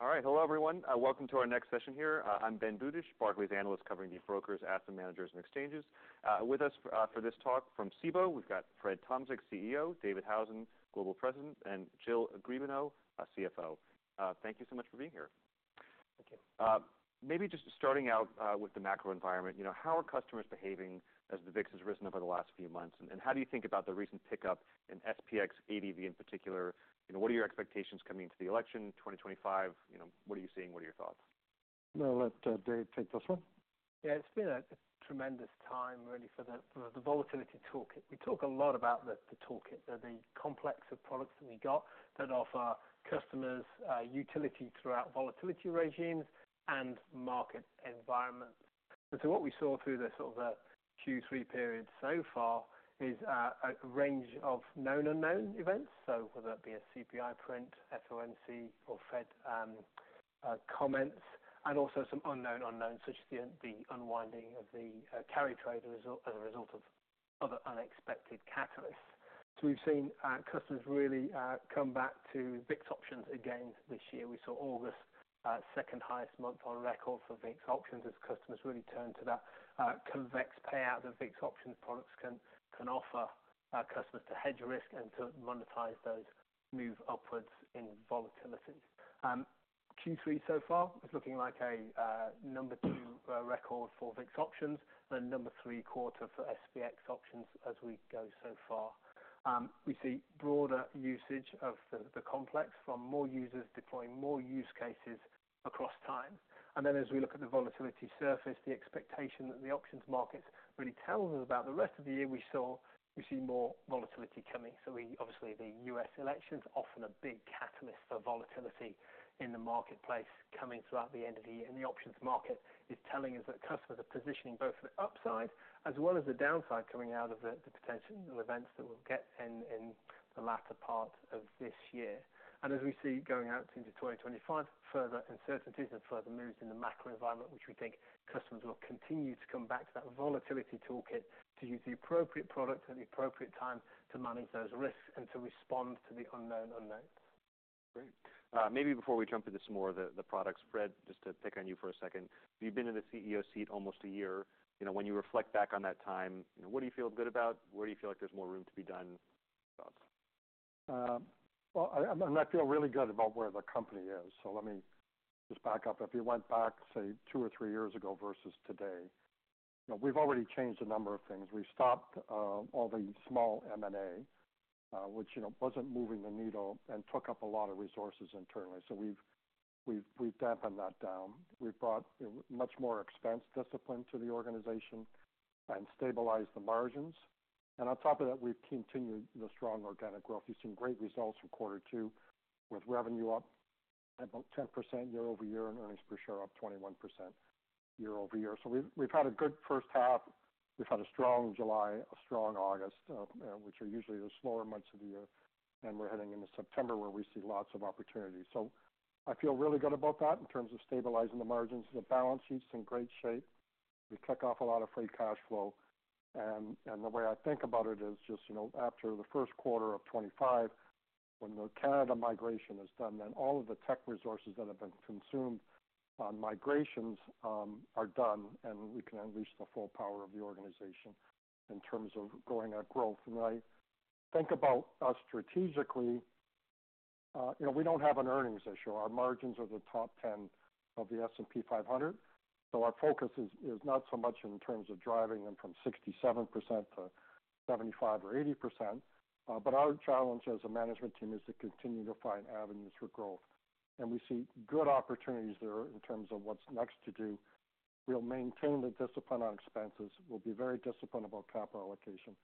All right. Hello, everyone. Welcome to our next session here. I'm Ben Budish, Barclays analyst, covering the brokers, asset managers, and exchanges. With us, for this talk from Cboe, we've got Fred Tomczyk, CEO, David Howson, Global President, and Jill Griebenow, CFO. Thank you so much for being here. Maybe just starting out with the macro environment, you know, how are customers behaving as the VIX has risen over the last few months? And how do you think about the recent pickup in SPX ADV in particular? You know, what are your expectations coming into the election, twenty twenty-five? You know, what are you seeing? What are your thoughts? I'll let Dave take this one. Yeah, it's been a tremendous time really for the volatility toolkit. We talk a lot about the toolkit, the complex of products that we got that offer customers utility throughout volatility regimes and market environments. And so what we saw through the sort of Q3 period so far is a range of known unknown events. So whether that be a CPI print, FOMC, or Fed comments, and also some unknown unknowns, such as the unwinding of the carry trade as a result of other unexpected catalysts. So we've seen customers really come back to VIX options again this year. We saw August second highest month on record for VIX options, as customers really turned to that convex payout that VIX options products can offer customers to hedge risk and to monetize those moves upwards in volatility. Q3 so far is looking like a number two record for VIX options, and number three quarter for SPX options as we go so far. We see broader usage of the complex from more users deploying more use cases across time. Then as we look at the volatility surface, the expectation that the options markets really tell us about the rest of the year, we see more volatility coming. So, obviously, the U.S. election's often a big catalyst for volatility in the marketplace coming throughout the end of the year. And the options market is telling us that customers are positioning both for the upside as well as the downside coming out of the potential events that will get in the latter part of this year. And as we see going out into 2025, further uncertainties and further moves in the macro environment, which we think customers will continue to come back to that volatility toolkit to use the appropriate product at the appropriate time to manage those risks and to respond to the unknown unknowns. Great. Maybe before we jump into some more of the products, Fred, just to pick on you for a second, you've been in the CEO seat almost a year. You know, when you reflect back on that time, you know, what do you feel good about? Where do you feel like there's more room to be done? I feel really good about where the company is. So let me just back up. If you went back, say, two or three years ago versus today, you know, we've already changed a number of things. We've stopped all the small M&A, which, you know, wasn't moving the needle and took up a lot of resources internally. So we've dampened that down. We've brought a much more expense discipline to the organization and stabilized the margins. And on top of that, we've continued the strong organic growth. You've seen great results from quarter two, with revenue up about 10% year-over-year, and earnings per share up 21% year-over-year. So we've had a good first half. We've had a strong July, a strong August, which are usually the slower months of the year, and we're heading into September, where we see lots of opportunities. So I feel really good about that in terms of stabilizing the margins. The balance sheet's in great shape. We kick off a lot of free cash flow, and the way I think about it is just, you know, after the first quarter of 2025, when the Canada migration is done, then all of the tech resources that have been consumed on migrations are done, and we can unleash the full power of the organization in terms of growing our growth. When I think about us strategically, you know, we don't have an earnings issue. Our margins are the top 10 of the S&P 500. So our focus is not so much in terms of driving them from 67% to 75% or 80%, but our challenge as a management team is to continue to find avenues for growth. And we see good opportunities there in terms of what's next to do. We'll maintain the discipline on expenses. We'll be very disciplined about capital allocation,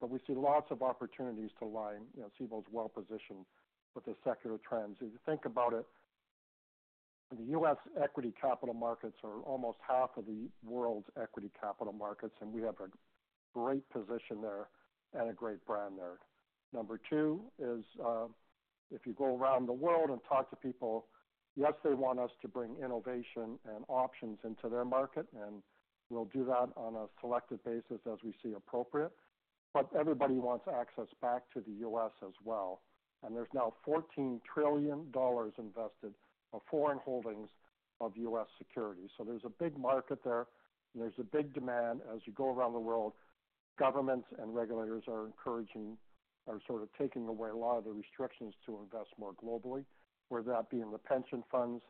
but we see lots of opportunities to align. You know, Cboe's well positioned with the secular trends. If you think about it, the U.S. equity capital markets are almost half of the world's equity capital markets, and we have a great position there and a great brand there. Number two is, if you go around the world and talk to people, yes, they want us to bring innovation and options into their market, and we'll do that on a selective basis as we see appropriate. But everybody wants access back to the U.S. as well, and there's now $14 trillion invested of foreign holdings of U.S. securities. So there's a big market there, and there's a big demand. As you go around the world, governments and regulators are encouraging or sort of taking away a lot of the restrictions to invest more globally, whether that be in the pension funds,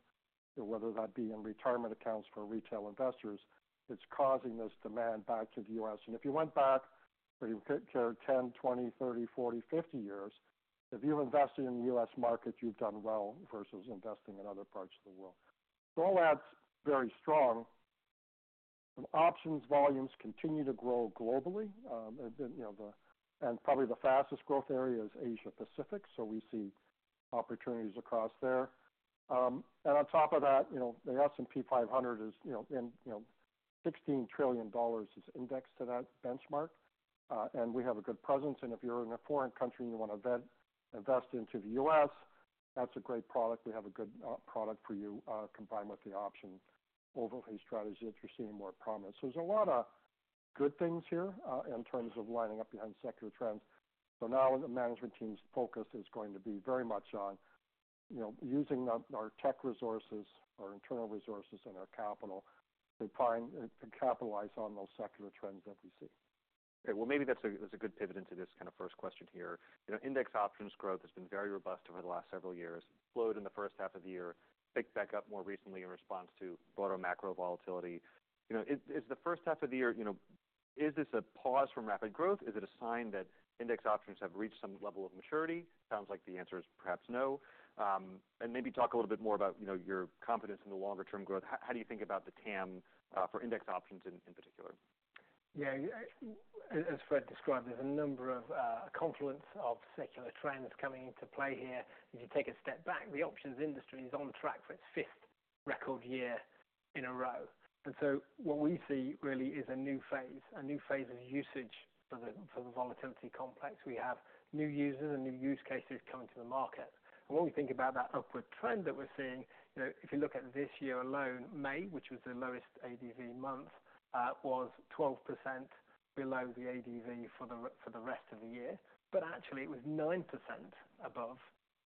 or whether that be in retirement accounts for retail investors, it's causing this demand back to the U.S. And if you went back for 10 years, 20 years, 30 years, 40 years, 50 years, if you invested in the U.S. market, you've done well versus investing in other parts of the world. So all that's very strong. Options volumes continue to grow globally, and, you know, and probably the fastest growth area is Asia Pacific, so we see opportunities across there. And on top of that, you know, the S&P 500 is, you know, in, you know, $16 trillion is indexed to that benchmark, and we have a good presence. And if you're in a foreign country and you want to invest into the US, that's a great product. We have a good product for you, combined with the option overlay strategy that you're seeing more promise. So there's a lot of good things here, in terms of lining up behind secular trends. So now the management team's focus is going to be very much on, you know, using our tech resources, our internal resources, and our capital to find and to capitalize on those secular trends that we see. Okay, well, maybe that's a good pivot into this kind of first question here. You know, index options growth has been very robust over the last several years. Flowed in the first half of the year, picked back up more recently in response to broader macro volatility. You know, is the first half of the year, you know, is this a pause from rapid growth? Is it a sign that index options have reached some level of maturity? Sounds like the answer is perhaps no. And maybe talk a little bit more about, you know, your confidence in the longer-term growth. How do you think about the TAM for index options in particular? Yeah, as Fred described, there's a number of confluence of secular trends coming into play here. If you take a step back, the options industry is on track for its fifth record year in a row. And so what we see really is a new phase of usage for the volatility complex. We have new users and new use cases coming to the market. And when we think about that upward trend that we're seeing, you know, if you look at this year alone, May, which was the lowest ADV month, was 12% below the ADV for the rest of the year, but actually it was 9% above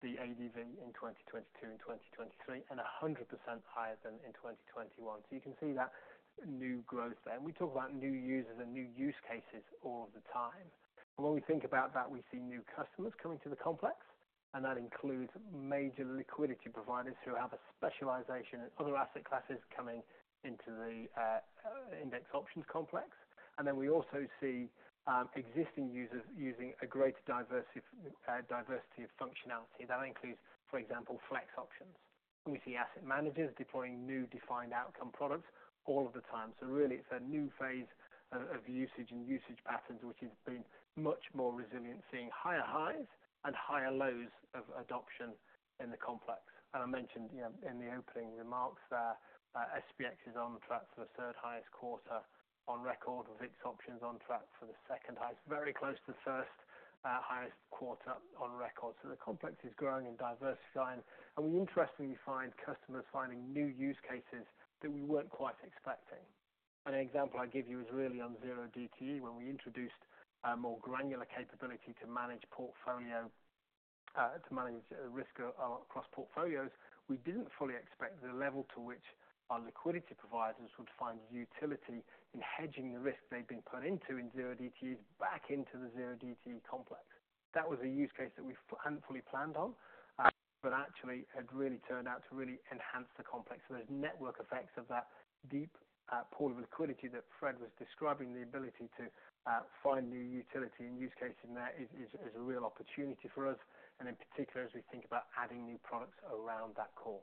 the ADV in 2022 and 2023, and 100% higher than in 2021. So you can see that new growth there. We talk about new users and new use cases all the time. When we think about that, we see new customers coming to the complex, and that includes major liquidity providers who have a specialization in other asset classes coming into the index options complex. Then we also see existing users using a greater diversity of functionality. That includes, for example, flex options. We see asset managers deploying new defined outcome products all of the time. Really, it's a new phase of usage and usage patterns, which has been much more resilient, seeing higher highs and higher lows of adoption in the complex. I mentioned, you know, in the opening remarks there, SPX is on track for the third highest quarter on record, with its options on track for the second highest. Very close to the first, highest quarter on record. So the complex is growing and diversifying, and we interestingly find customers finding new use cases that we weren't quite expecting. An example I give you is really on zero DTE, when we introduced a more granular capability to manage portfolio, to manage risk, across portfolios, we didn't fully expect the level to which our liquidity providers would find utility in hedging the risk they'd been put into in zero DTEs back into the zero DTE complex. That was a use case that we hadn't fully planned on, but actually had really turned out to really enhance the complex. So there's network effects of that deep pool of liquidity that Fred was describing, the ability to find new utility and use case in there is a real opportunity for us, and in particular, as we think about adding new products around that core.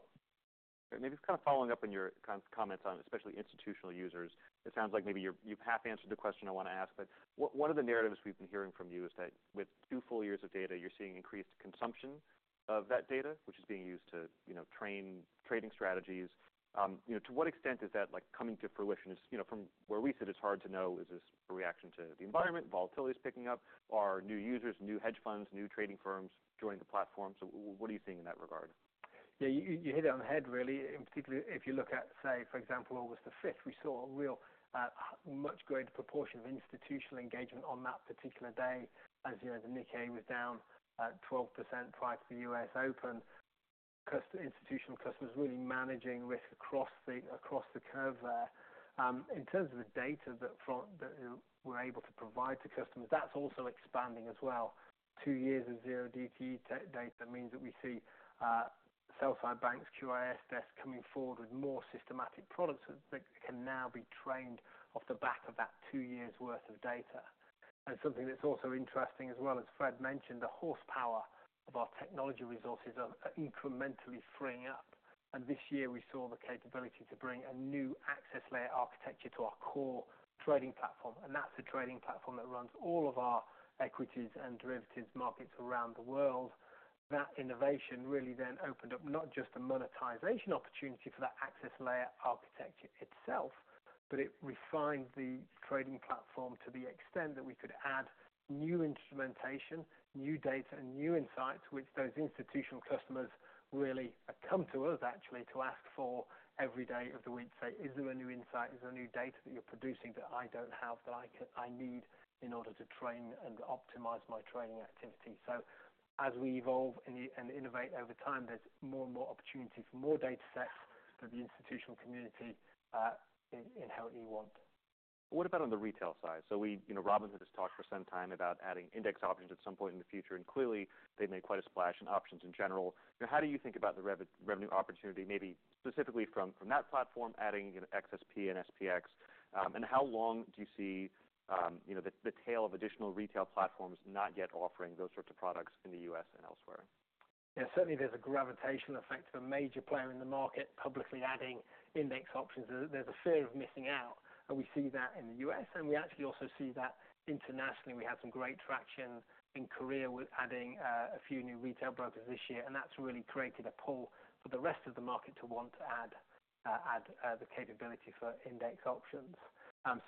Maybe just kind of following up on your kind of comments on, especially institutional users. It sounds like maybe you, you've half answered the question I want to ask, but one of the narratives we've been hearing from you is that with two full years of data, you're seeing increased consumption of that data, which is being used to, you know, train trading strategies. You know, to what extent is that, like, coming to fruition? You know, from where we sit, it's hard to know, is this a reaction to the environment, volatility is picking up? Are new users, new hedge funds, new trading firms joining the platform? So what are you seeing in that regard? Yeah, you hit it on the head, really. And particularly, if you look at, say, for example, August the fifth, we saw a real much greater proportion of institutional engagement on that particular day. As you know, the Nikkei was down 12% prior to the US Open. Institutional customers really managing risk across the curve there. In terms of the data that we're able to provide to customers, that's also expanding as well. Two years of zero DTE data means that we see sell-side banks, QIS desks coming forward with more systematic products that can now be trained off the back of that two years' worth of data. And something that's also interesting as well, as Fred mentioned, the horsepower of our technology resources are incrementally freeing up. This year, we saw the capability to bring a new Access Layer Architecture to our core trading platform, and that's the trading platform that runs all of our equities and derivatives markets around the world. That innovation really then opened up not just a monetization opportunity for that Access Layer Architecture itself, but it refined the trading platform to the extent that we could add new instrumentation, new data, and new insights, which those institutional customers really come to us actually, to ask for every day of the week. Say, "Is there a new insight? Is there new data that you're producing that I don't have, that I need in order to train and optimize my trading activity?" So as we evolve and innovate over time, there's more and more opportunity for more data sets for the institutional community, in how we want. What about on the retail side? You know, Robinhood has talked for some time about adding index options at some point in the future, and clearly, they've made quite a splash in options in general. You know, how do you think about the revenue opportunity, maybe specifically from that platform, adding, you know, XSP and SPX, and how long do you see you know, the tail of additional retail platforms not yet offering those sorts of products in the US and elsewhere? Yeah, certainly there's a gravitation effect to a major player in the market publicly adding index options. There's a fear of missing out, and we see that in the US, and we actually also see that internationally. We had some great traction in Korea with adding a few new retail brokers this year, and that's really created a pull for the rest of the market to want to add the capability for index options.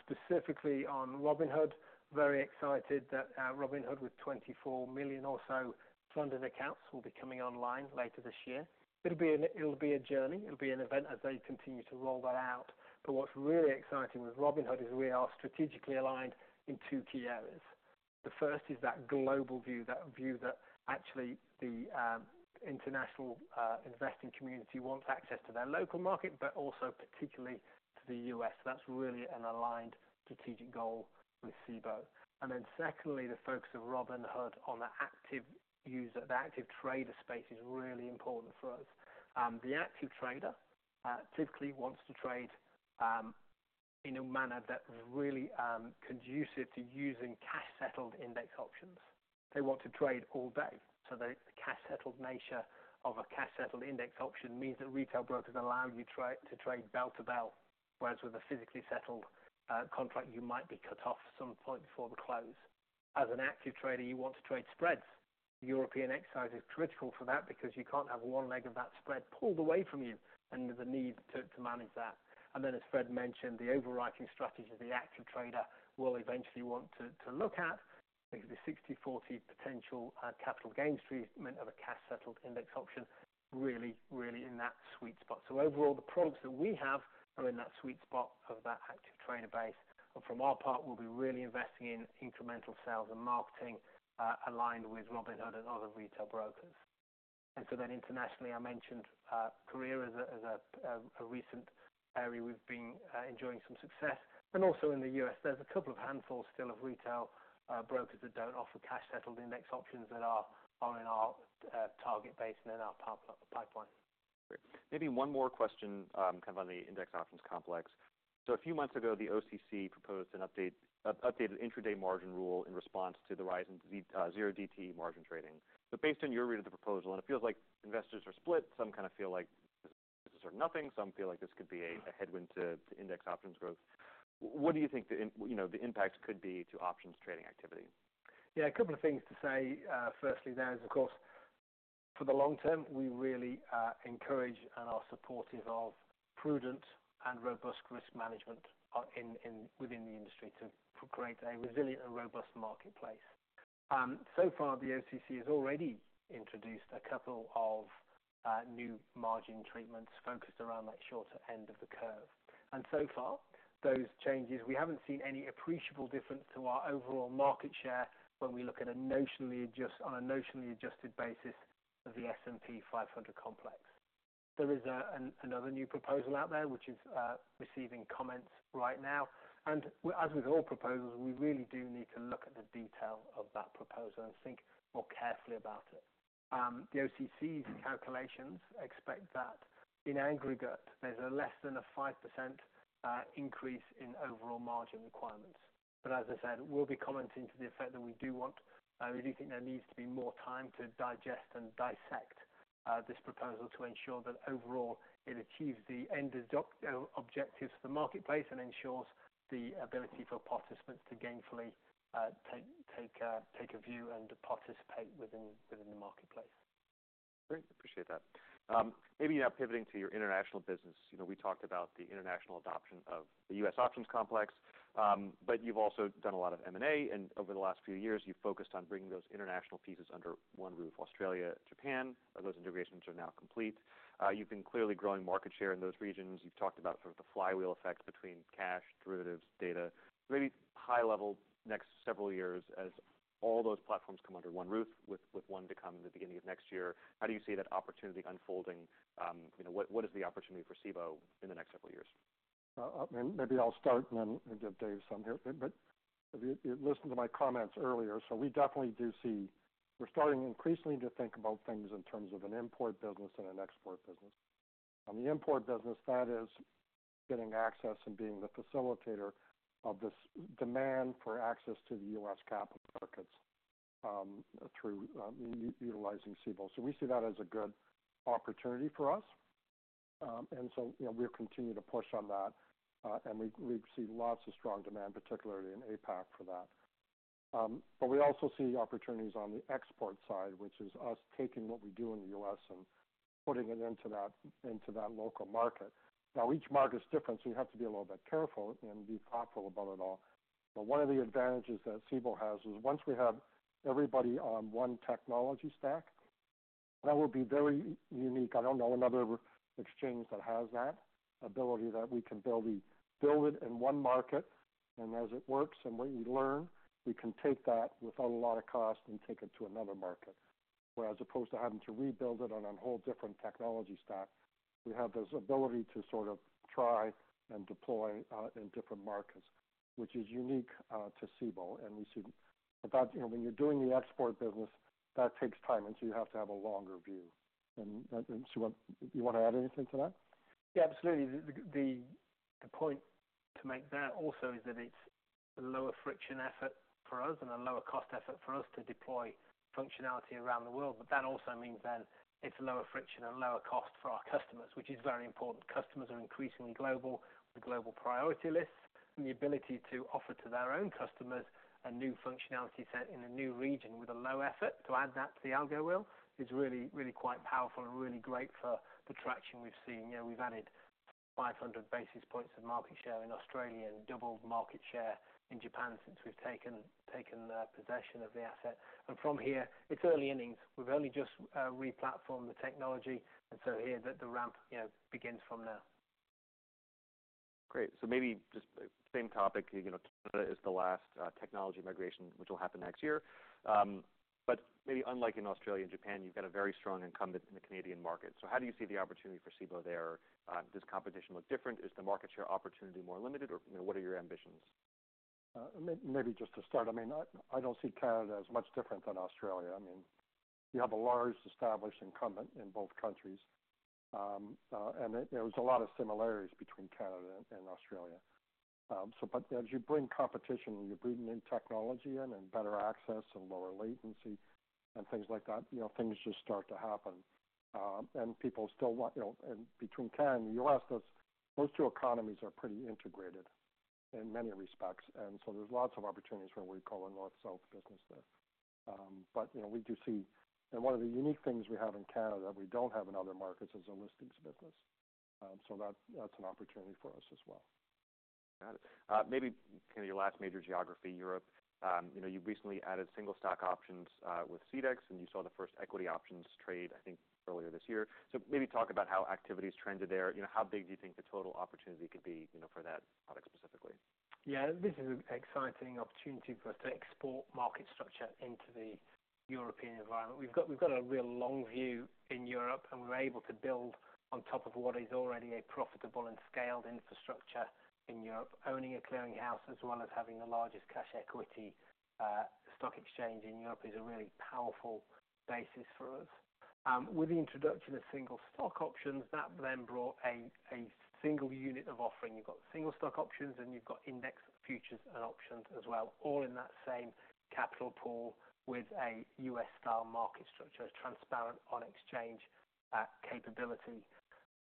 Specifically on Robinhood, very excited that Robinhood, with 24 million or so funded accounts, will be coming online later this year. It'll be a journey, it'll be an event as they continue to roll that out. But what's really exciting with Robinhood is we are strategically aligned in two key areas. The first is that global view, that view that actually the international investing community wants access to their local market, but also particularly to the US. That's really an aligned strategic goal with Cboe. And then secondly, the focus of Robinhood on the active user, the active trader space is really important for us. The active trader typically wants to trade in a manner that is really conducive to using cash-settled index options. They want to trade all day, so the cash-settled nature of a cash-settled index option means that retail brokers allow you to trade, to trade bell to bell, whereas with a physically settled contract, you might be cut off at some point before the close. As an active trader, you want to trade spreads. European exercise is critical for that because you can't have one leg of that spread pulled away from you, and there's a need to manage that. And then, as Fred mentioned, the overarching strategy of the active trader will eventually want to look at is the 60/40 potential, capital gains treatment of a cash-settled index option, really, really in that sweet spot. So overall, the products that we have are in that sweet spot of that active trader base. And from our part, we'll be really investing in incremental sales and marketing, aligned with Robinhood and other retail brokers. And so then internationally, I mentioned, Korea as a recent area we've been enjoying some success. Also in the U.S., there's a couple of handfuls still of retail brokers that don't offer cash-settled index options that are in our target base and in our pipeline. Great. Maybe one more question, kind of on the index options complex. So a few months ago, the OCC proposed an updated intraday margin rule in response to the rise in zero DTE margin trading. But based on your read of the proposal, and it feels like investors are split, some kind of feel like this is nothing, some feel like this could be a headwind to index options growth. What do you think the impact could be to options trading activity? Yeah, a couple of things to say. Firstly, there is, of course, for the long term, we really encourage and are supportive of prudent and robust risk management within the industry to create a resilient and robust marketplace. So far, the OCC has already introduced a couple of new margin treatments focused around that shorter end of the curve, and so far, those changes, we haven't seen any appreciable difference to our overall market share when we look at on a notionally adjusted basis of the S&P 500 Complex. There is another new proposal out there, which is receiving comments right now, and as with all proposals, we really do need to look at the detail of that proposal and think more carefully about it. The OCC's calculations expect that in aggregate, there's a less than a 5% increase in overall margin requirements. But as I said, we'll be commenting to the effect that we do want, we do think there needs to be more time to digest and dissect this proposal to ensure that overall it achieves the end objectives for the marketplace and ensures the ability for participants to gainfully take a view and participate within the marketplace. Great, appreciate that. Maybe now pivoting to your international business. You know, we talked about the international adoption of the US options complex, but you've also done a lot of M&A, and over the last few years, you've focused on bringing those international pieces under one roof. Australia, Japan, those integrations are now complete. You've been clearly growing market share in those regions. You've talked about sort of the flywheel effect between cash, derivatives, data, maybe high level next several years as all those platforms come under one roof, with one to come in the beginning of next year. How do you see that opportunity unfolding? You know, what is the opportunity for Cboe in the next several years? Maybe I'll start and then give Dave some here, but if you listened to my comments earlier, so we definitely do see. We're starting increasingly to think about things in terms of an import business and an export business. On the import business, that is getting access and being the facilitator of this demand for access to the US capital markets through utilizing Cboe. So we see that as a good opportunity for us, and so, you know, we'll continue to push on that, and we see lots of strong demand, particularly in APAC, for that. But we also see opportunities on the export side, which is us taking what we do in the US and putting it into that local market. Now, each market is different, so you have to be a little bit careful and be thoughtful about it all. But one of the advantages that Cboe has is once we have everybody on one technology stack, that will be very unique. I don't know another exchange that has that ability, that we can build it in one market, and as it works and when you learn, we can take that without a lot of cost and take it to another market, whereas opposed to having to rebuild it on a whole different technology stack, we have this ability to sort of try and deploy in different markets, which is unique to Cboe. And we see that, you know, when you're doing the export business, that takes time, and so you have to have a longer view. And, do you want to add anything to that? Yeah, absolutely. The point to make there also is that it's a lower friction effort for us and a lower cost effort for us to deploy functionality around the world. But that also means then it's a lower friction and lower cost for our customers, which is very important. Customers are increasingly global, the global priority lists, and the ability to offer to their own customers a new functionality set in a new region with a low effort to add that to the algo wheel is really, really quite powerful and really great for the traction we've seen. You know, we've added 500 basis points of market share in Australia and doubled market share in Japan since we've taken possession of the asset. And from here, it's early innings. We've only just replatformed the technology, and so here the ramp, you know, begins from now. Great. So maybe just same topic, you know, Canada is the last, technology migration, which will happen next year. But maybe unlike in Australia and Japan, you've got a very strong incumbent in the Canadian market. So how do you see the opportunity for Cboe there? Does competition look different? Is the market share opportunity more limited, or, you know, what are your ambitions? Maybe just to start, I mean, I don't see Canada as much different than Australia. I mean, you have a large established incumbent in both countries, and there was a lot of similarities between Canada and Australia. But as you bring competition, when you're bringing new technology in and better access and lower latency and things like that, you know, things just start to happen. People still want, you know, and between Canada and the US, those two economies are pretty integrated in many respects. So there's lots of opportunities for what we call a north-south business there. But, you know, we do see... One of the unique things we have in Canada, we don't have in other markets, is a listings business. So that's an opportunity for us as well. Got it. Maybe kind of your last major geography, Europe. You know, you've recently added single stock options with CEDX, and you saw the first equity options trade, I think, earlier this year. So maybe talk about how activities trended there. You know, how big do you think the total opportunity could be, you know, for that product specifically? Yeah, this is an exciting opportunity for us to export market structure into the European environment. We've got a real long view in Europe, and we're able to build on top of what is already a profitable and scaled infrastructure in Europe. Owning a clearinghouse as well as having the largest cash equity stock exchange in Europe is a really powerful basis for us. With the introduction of single stock options, that then brought a single unit of offering. You've got single stock options, and you've got index futures and options as well, all in that same capital pool with a U.S.-style market structure, transparent on exchange capability.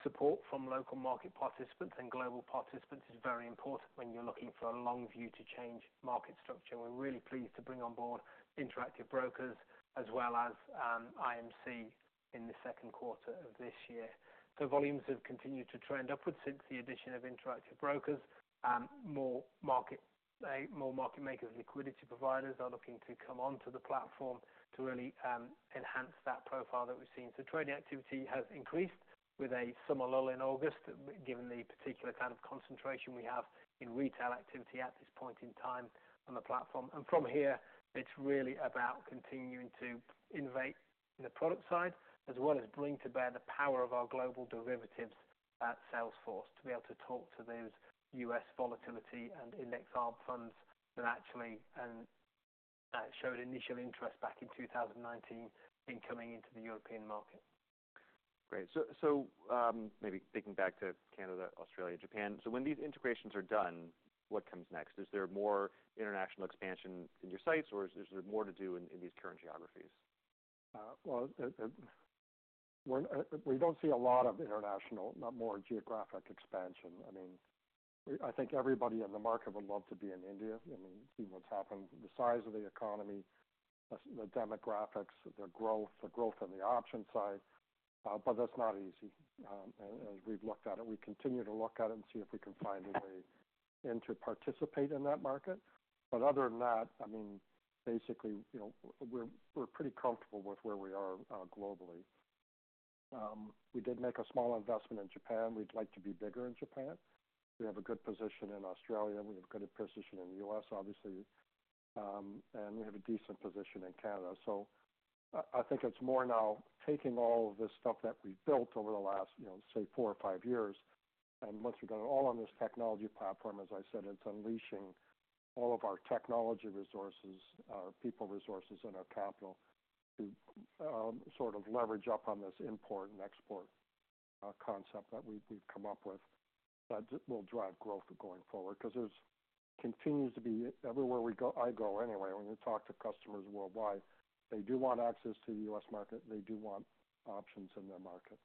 Support from local market participants and global participants is very important when you're looking for a long view to change market structure. We're really pleased to bring on board Interactive Brokers as well as IMC in the second quarter of this year, so volumes have continued to trend upward since the addition of Interactive Brokers, more market makers, liquidity providers are looking to come onto the platform to really enhance that profile that we've seen, so trading activity has increased with a summer lull in August, given the particular kind of concentration we have in retail activity at this point in time on the platform, and from here, it's really about continuing to innovate in the product side, as well as bring to bear the power of our global derivatives sales force, to be able to talk to those US volatility and index arb funds that actually showed initial interest back in two thousand and nineteen in coming into the European market. Great. So, maybe thinking back to Canada, Australia, Japan. So when these integrations are done, what comes next? Is there more international expansion in your sights, or is there more to do in these current geographies? We don't see a lot of international, not more geographic expansion. I mean, I think everybody in the market would love to be in India. I mean, see what's happened, the size of the economy, the demographics, the growth on the option side, but that's not easy. And as we've looked at it, we continue to look at it and see if we can find a way in to participate in that market. But other than that, I mean, basically, you know, we're pretty comfortable with where we are globally. We did make a small investment in Japan. We'd like to be bigger in Japan. We have a good position in Australia, and we have a good position in the US, obviously, and we have a decent position in Canada. So I think it's more now taking all of this stuff that we've built over the last, you know, say, four or five years, and once we've got it all on this technology platform, as I said, it's unleashing all of our technology resources, our people resources, and our capital to sort of leverage up on this import and export concept that we've come up with. That will drive growth going forward, because there continues to be everywhere we go. I go anyway, when we talk to customers worldwide, they do want access to the U.S. market. They do want options in their market.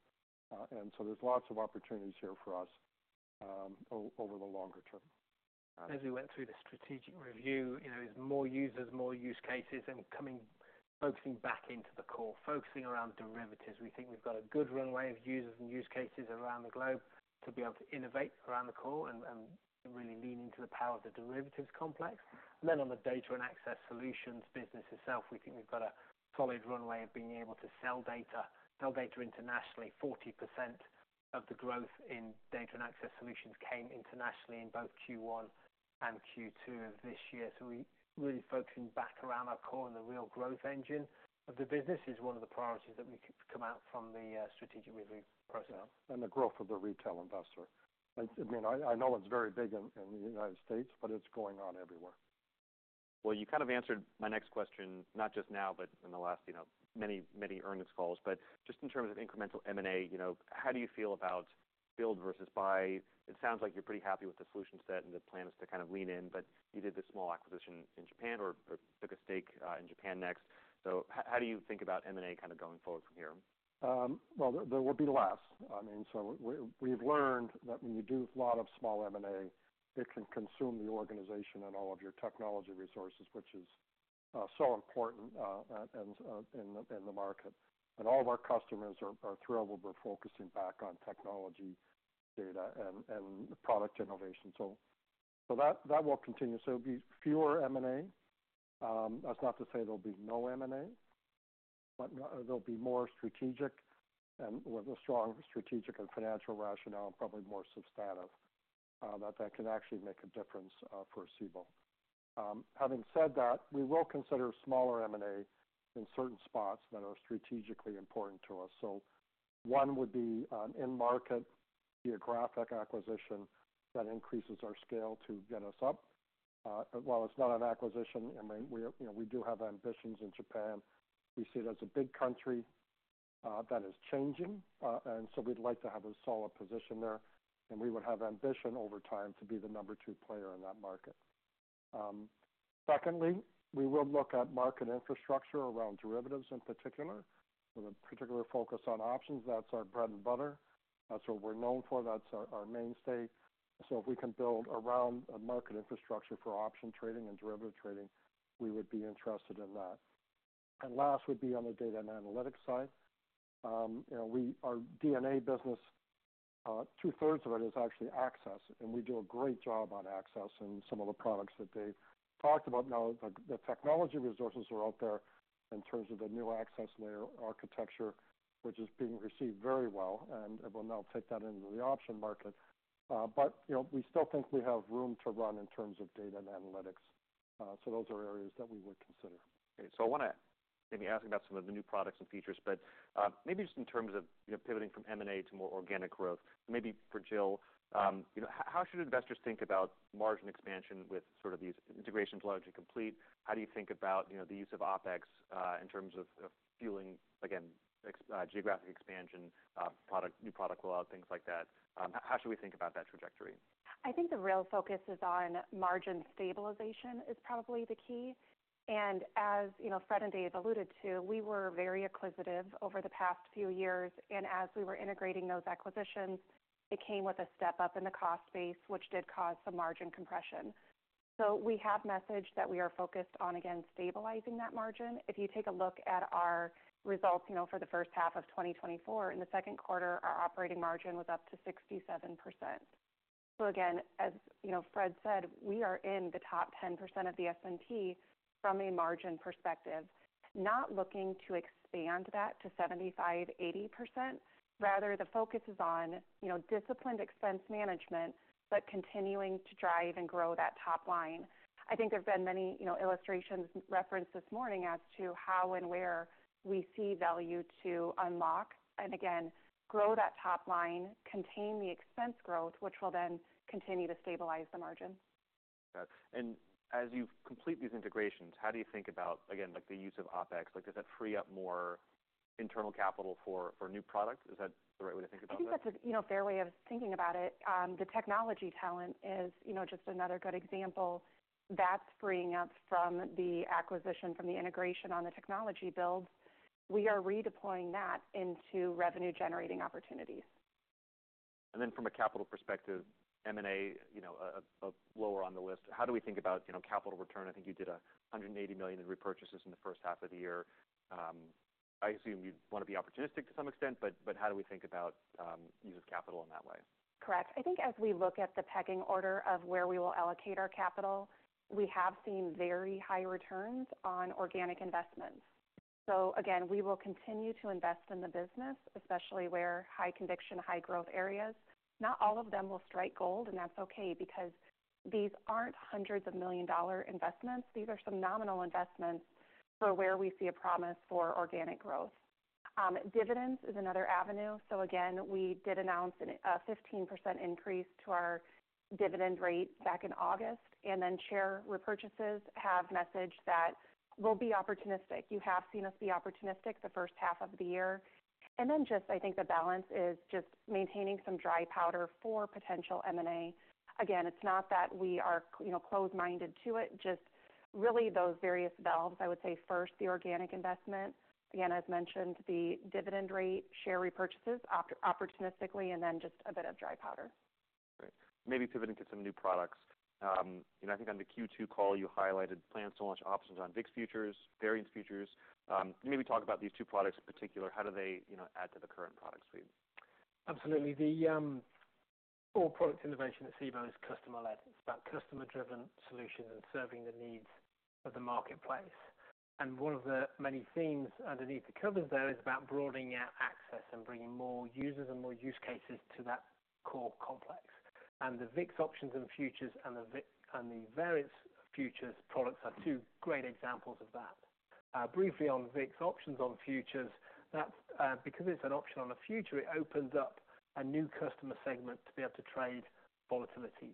And so there's lots of opportunities here for us over the longer term. As we went through the strategic review, you know, there's more users, more use cases, Focusing back into the core, focusing around derivatives. We think we've got a good runway of users and use cases around the globe to be able to innovate around the core and really lean into the power of the derivatives complex. And then on the data and access solutions business itself, we think we've got a solid runway of being able to sell data internationally. 40% of the growth in data and access solutions came internationally in both Q1 and Q2 of this year. So we're really focusing back around our core, and the real growth engine of the business is one of the priorities that we come out from the strategic review process. Yeah, and the growth of the retail investor. I mean, I know it's very big in the United States, but it's going on everywhere. You kind of answered my next question, not just now, but in the last, you know, many, many earnings calls, but just in terms of incremental M&A, you know, how do you feel about build versus buy? It sounds like you're pretty happy with the solution set and the plan is to kind of lean in, but you did this small acquisition in Japan or took a stake in Japannext. How do you think about M&A kind of going forward from here? Well, there will be less. I mean, so we've learned that when you do a lot of small M&A, it can consume the organization and all of your technology resources, which is so important and in the market. And all of our customers are thrilled that we're focusing back on technology, data, and product innovation. So that will continue. So it'll be fewer M&A. That's not to say there'll be no M&A. But they'll be more strategic and with a strong strategic and financial rationale, and probably more substantive that can actually make a difference for Cboe. Having said that, we will consider smaller M&A in certain spots that are strategically important to us. So one would be an in-market geographic acquisition that increases our scale to get us up. While it's not an acquisition, I mean, we, you know, we do have ambitions in Japan. We see it as a big country that is changing, and so we'd like to have a solid position there, and we would have ambition over time to be the number two player in that market. Secondly, we will look at market infrastructure around derivatives in particular, with a particular focus on options. That's our bread and butter. That's what we're known for. That's our mainstay. So if we can build around a market infrastructure for option trading and derivative trading, we would be interested in that. Last would be on the data and analytics side. You know, we, our DnA business, two-thirds of it is actually access, and we do a great job on access and some of the products that Dave talked about. Now, the technology resources are out there in terms of the new Access Layer Architecture, which is being received very well, and we'll now take that into the option market. But, you know, we still think we have room to run in terms of data and analytics. So those are areas that we would consider. Okay, so I wanna maybe ask about some of the new products and features, but maybe just in terms of, you know, pivoting from M&A to more organic growth, maybe for Jill. You know, how should investors think about margin expansion with sort of these integrations largely complete? How do you think about, you know, the use of OpEx in terms of fueling, again, geographic expansion, product, new product rollout, things like that? How should we think about that trajectory? I think the real focus is on margin stabilization, is probably the key. And as you know, Fred and Dave alluded to, we were very acquisitive over the past few years, and as we were integrating those acquisitions, it came with a step-up in the cost base, which did cause some margin compression. So we have messaged that we are focused on, again, stabilizing that margin. If you take a look at our results, you know, for the first half of 2024, in the second quarter, our operating margin was up to 67%. So again, as you know, Fred said, we are in the top 10% of the S&P from a margin perspective, not looking to expand that to 75%-80%. Rather, the focus is on, you know, disciplined expense management, but continuing to drive and grow that top line. I think there's been many, you know, illustrations referenced this morning as to how and where we see value to unlock, and again, grow that top line, contain the expense growth, which will then continue to stabilize the margin. Got it and as you complete these integrations, how do you think about, again, like, the use of OpEx? Like, does that free up more internal capital for new product? Is that the right way to think about that? I think that's a, you know, fair way of thinking about it. The technology talent is, you know, just another good example that's freeing up from the acquisition, from the integration on the technology builds. We are redeploying that into revenue-generating opportunities. Then from a capital perspective, M&A, you know, lower on the list, how do we think about, you know, capital return? I think you did $180 million in repurchases in the first half of the year. I assume you'd want to be opportunistic to some extent, but, but how do we think about use of capital in that way? Correct. I think as we look at the pecking order of where we will allocate our capital, we have seen very high returns on organic investments. So again, we will continue to invest in the business, especially where high conviction, high growth areas. Not all of them will strike gold, and that's okay, because these aren't hundreds of million dollar investments. These are some nominal investments for where we see a promise for organic growth. Dividends is another avenue. So again, we did announce a 15% increase to our dividend rate back in August, and then share repurchases have messaged that will be opportunistic. You have seen us be opportunistic the first half of the year. And then just I think the balance is just maintaining some dry powder for potential M&A. Again, it's not that we are, you know, closed-minded to it, just really those various valves. I would say first, the organic investment, again, as mentioned, the dividend rate, share repurchases opportunistically, and then just a bit of dry powder. Great. Maybe pivoting to some new products. You know, I think on the Q2 call, you highlighted plans to launch options on VIX Futures, Variance Futures. Maybe talk about these two products in particular. How do they, you know, add to the current product suite? Absolutely. The core product innovation at Cboe is customer-led. It's about customer-driven solutions and serving the needs of the marketplace. And one of the many themes underneath the covers there is about broadening out access and bringing more users and more use cases to that core complex. And the VIX options on futures and the VIX and the Variance Futures products are two great examples of that. Briefly on VIX options on futures, that because it's an option on the future, it opens up a new customer segment to be able to trade volatility.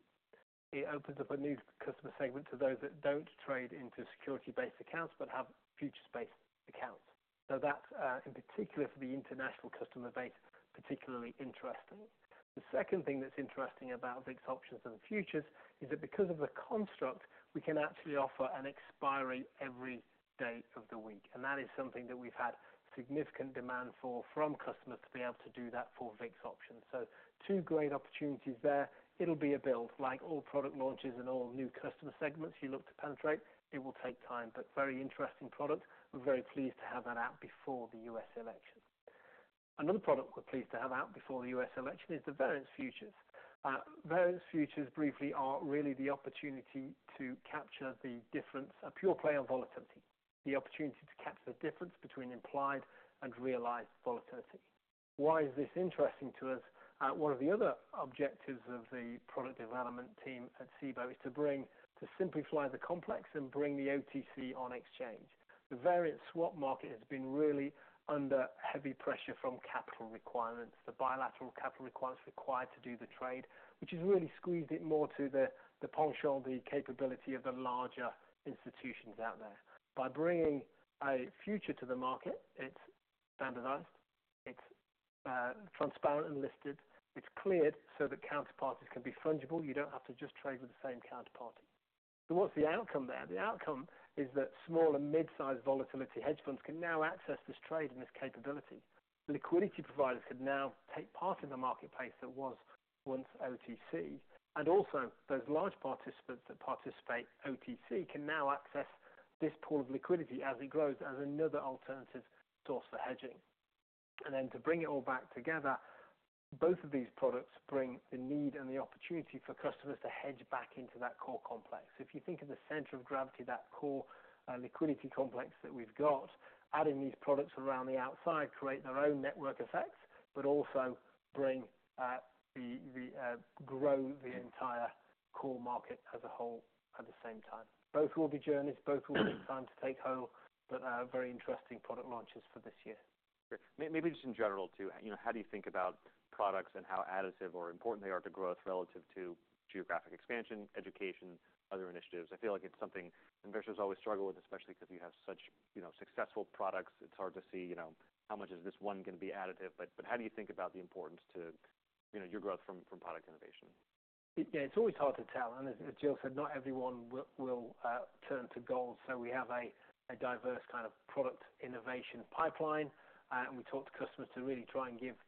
It opens up a new customer segment to those that don't trade into security-based accounts, but have futures-based accounts. So that in particular for the international customer base, particularly interesting. The second thing that's interesting about VIX options on futures is that because of the construct, we can actually offer an expiry every day of the week, and that is something that we've had significant demand for from customers to be able to do that for VIX options, so two great opportunities there. It'll be a build, like all product launches and all new customer segments you look to penetrate. It will take time, but very interesting product. We're very pleased to have that out before the U.S. election. Another product we're pleased to have out before the U.S. election is the Variance Futures. Variance Futures, briefly, are really the opportunity to capture the difference, a pure play on volatility, the opportunity to capture the difference between implied and realized volatility. Why is this interesting to us? One of the other objectives of the product development team at Cboe is to bring- to simplify the complex and bring the OTC on exchange. The variance swap market has been really under heavy pressure from capital requirements, the bilateral capital requirements required to do the trade, which has really squeezed it more to the penchant, the capability of the larger institutions out there. By bringing a future to the market, it's standardized, it's, transparent and listed, it's cleared, so that counterparties can be fungible. You don't have to just trade with the same counterparty. So what's the outcome there? The outcome is that small and mid-sized volatility hedge funds can now access this trade and this capability. Liquidity providers can now take part in the marketplace that was once OTC, and also those large participants that participate OTC, can now access this pool of liquidity as it grows, as another alternative source for hedging. And then to bring it all back together, both of these products bring the need and the opportunity for customers to hedge back into that core complex. If you think of the center of gravity, that core liquidity complex that we've got, adding these products around the outside, create their own network effects, but also bring. Grow the entire core market as a whole, at the same time. Both will be journeys, both will take time to take hold, but, very interesting product launches for this year. Great. Maybe just in general too, you know, how do you think about products and how additive or important they are to growth relative to geographic expansion, education, other initiatives? I feel like it's something investors always struggle with, especially because you have such, you know, successful products. It's hard to see, you know, how much is this one going to be additive? But how do you think about the importance to, you know, your growth from product innovation? Yeah, it's always hard to tell, and as Jill said, not everyone will turn to gold, so we have a diverse kind of product innovation pipeline, and we talk to customers to really try and give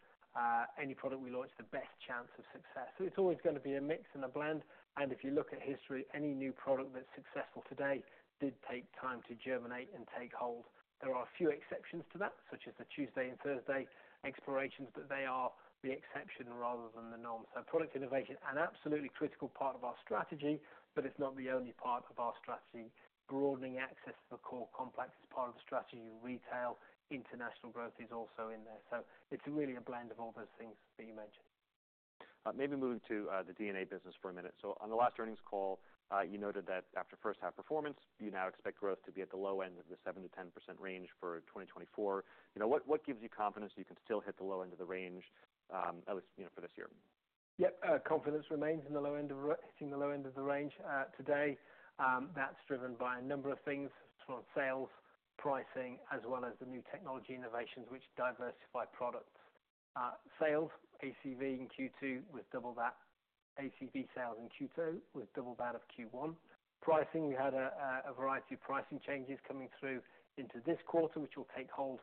any product we launch the best chance of success. It's always going to be a mix and a blend, and if you look at history, any new product that's successful today did take time to germinate and take hold. There are a few exceptions to that, such as the Tuesday and Thursday expirations, but they are the exception rather than the norm. Product innovation is an absolutely critical part of our strategy, but it's not the only part of our strategy. Broadening access to the core complex is part of the strategy. Retail, international growth is also in there. So it's really a blend of all those things that you mentioned. Maybe moving to the DnA business for a minute. So on the last earnings call, you noted that after first half performance, you now expect growth to be at the low end of the 7%-10% range for 2024. You know, what gives you confidence that you can still hit the low end of the range, at least, you know, for this year? Yep. Confidence remains in the low end of the range, hitting the low end of the range today. That's driven by a number of things from sales, pricing, as well as the new technology innovations which diversify products. Sales ACV in Q2 with double that of Q1. Pricing, we had a variety of pricing changes coming through into this quarter, which will take hold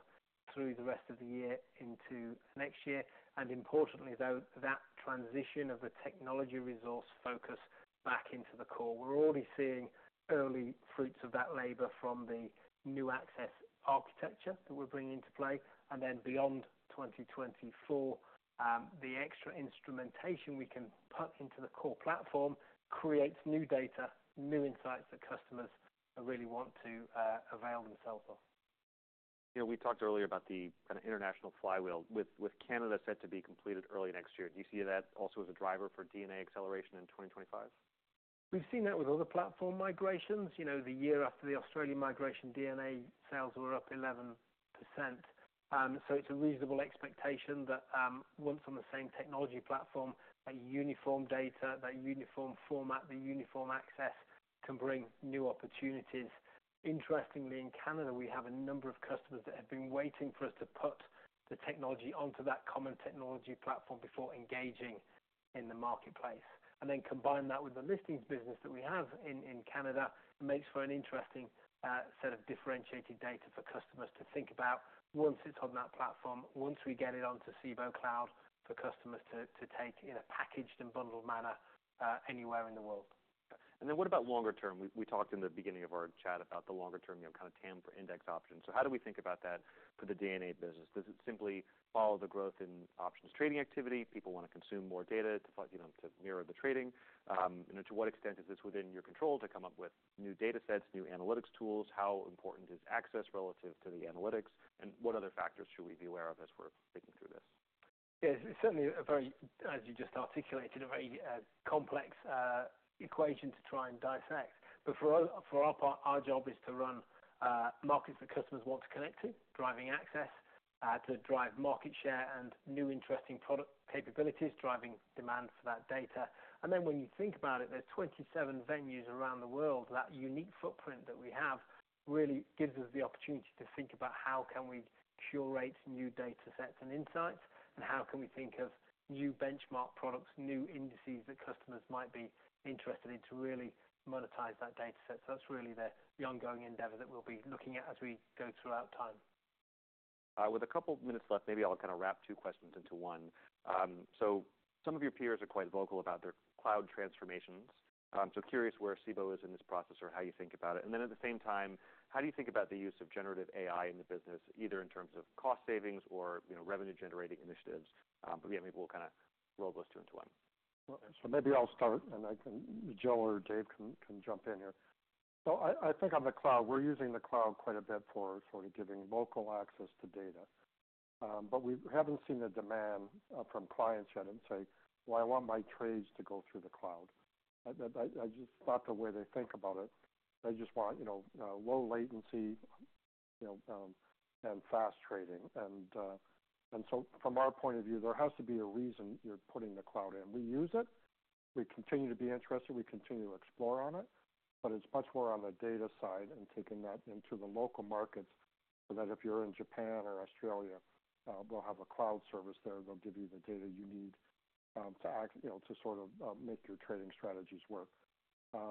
through the rest of the year into next year, and importantly, though, that transition of the technology resource focus back into the core. We're already seeing early fruits of that labor from the new access architecture that we're bringing into play, and then beyond 2024, the extra instrumentation we can put into the core platform creates new data, new insights, that customers really want to avail themselves of. You know, we talked earlier about the kind of international flywheel. With Canada set to be completed early next year, do you see that also as a driver for DnA acceleration in 2025? We've seen that with other platform migrations. You know, the year after the Australian migration, DnA sales were up 11%. So it's a reasonable expectation that, once on the same technology platform, a uniform data, that uniform format, the uniform access, can bring new opportunities. Interestingly, in Canada, we have a number of customers that have been waiting for us to put the technology onto that common technology platform before engaging in the marketplace. And then combine that with the listings business that we have in Canada, makes for an interesting set of differentiated data for customers to think about once it's on that platform, once we get it onto Cboe Cloud, for customers to take in a packaged and bundled manner, anywhere in the world. And then what about longer term? We talked in the beginning of our chat about the longer term, you know, kind of TAM for index options. So how do we think about that for the DnA business? Does it simply follow the growth in options trading activity, people want to consume more data to, you know, to mirror the trading? And to what extent is this within your control to come up with new data sets, new analytics tools? How important is access relative to the analytics, and what other factors should we be aware of as we're thinking through this? Yeah, it's certainly. As you just articulated, a very complex equation to try and dissect. But for us, for our part, our job is to run markets that customers want to connect to, driving access to drive market share and new interesting product capabilities, driving demand for that data. And then when you think about it, there's 27 venues around the world. That unique footprint that we have really gives us the opportunity to think about how can we curate new data sets and insights, and how can we think of new benchmark products, new indices that customers might be interested in to really monetize that data set. So that's really the ongoing endeavor that we'll be looking at as we go throughout time. With a couple of minutes left, maybe I'll kind of wrap two questions into one, so some of your peers are quite vocal about their cloud transformations, so curious where Cboe is in this process or how you think about it, and then at the same time, how do you think about the use of generative AI in the business, either in terms of cost savings or, you know, revenue-generating initiatives, but yeah, maybe we'll kind of roll those two into one. So maybe I'll start, and I can. Jill or Dave can jump in here. I think on the cloud, we're using the cloud quite a bit for sort of giving local access to data. But we haven't seen the demand from clients yet and say, "Well, I want my trades to go through the cloud." I just not the way they think about it. They just want, you know, low latency, you know, and fast trading. And so from our point of view, there has to be a reason you're putting the cloud in. We use it. We continue to be interested, we continue to explore on it, but it's much more on the data side and taking that into the local markets, so that if you're in Japan or Australia, we'll have a cloud service there, that'll give you the data you need, to act, you know, to sort of, make your trading strategies work,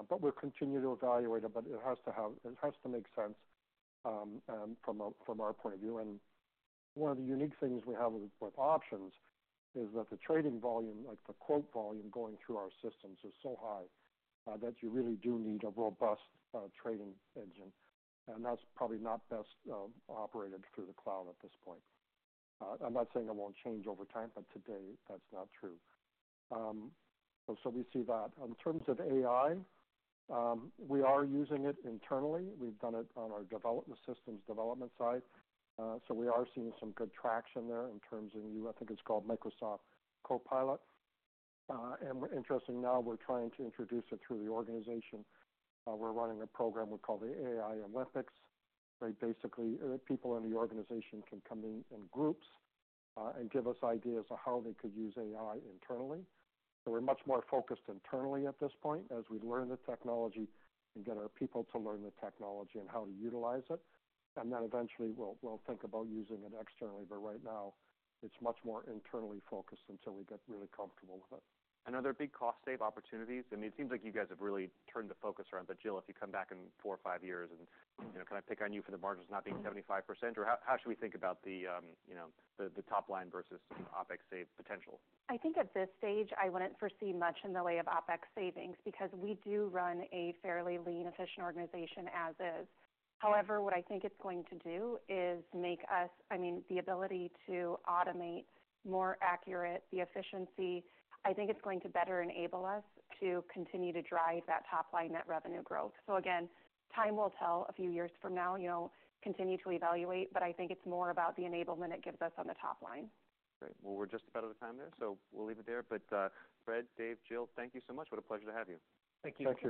but we're continuing to evaluate it, but it has to have, it has to make sense, and from our, from our point of view, and one of the unique things we have with, with options is that the trading volume, like the quote volume going through our systems, is so high, that you really do need a robust, trading engine, and that's probably not best, operated through the cloud at this point. I'm not saying it won't change over time, but today, that's not true, so we see that. In terms of AI, we are using it internally. We've done it on our development systems, development side. So we are seeing some good traction there in terms of I think it's called Microsoft Copilot, and interesting, now we're trying to introduce it through the organization. We're running a program we call the AI Olympics, where basically, people in the organization can come in in groups, and give us ideas of how they could use AI internally, so we're much more focused internally at this point, as we learn the technology and get our people to learn the technology and how to utilize it, and then eventually, we'll think about using it externally. But right now, it's much more internally focused until we get really comfortable with it. Are there big cost save opportunities? I mean, it seems like you guys have really turned the focus around. Jill, if you come back in four or five years and, you know, can I pick on you for the margins not being 75%? Or how should we think about the, you know, the top line versus OpEx save potential? I think at this stage, I wouldn't foresee much in the way of OpEx savings, because we do run a fairly lean, efficient organization as is. However, what I think it's going to do is make us. I mean, the ability to automate more accurate, the efficiency, I think it's going to better enable us to continue to drive that top-line net revenue growth. So again, time will tell a few years from now, you know, continue to evaluate, but I think it's more about the enablement it gives us on the top line. Great. Well, we're just about out of time there, so we'll leave it there. But, Fred, Dave, Jill, thank you so much. What a pleasure to have you. Thank you. Thank you.